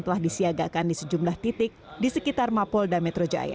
telah disiagakan di sejumlah titik di sekitar mapolda metro jaya